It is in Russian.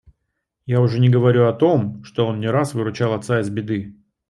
Я уже не говорю о том, что он не раз выручал отца из беды.